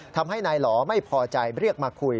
ทำให้นายหล่อไม่พอใจเรียกมาคุย